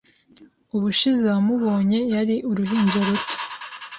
Ubushize wamubonye, yari uruhinja ruto.